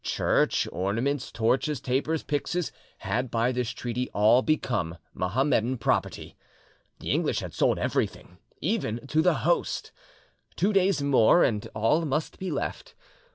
Church, ornaments, torches, tapers, pyxes, had by this treaty all become Mahommedan property. The English had sold everything, even to the Host! Two days more, and all must be left.